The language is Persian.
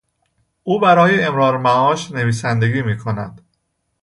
او برای امرار معاش نویسندگی میکند.